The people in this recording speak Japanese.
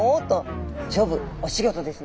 お仕事ですね。